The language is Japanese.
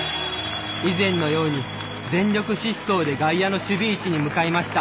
以前のように全力疾走で外野の守備位置に向かいました。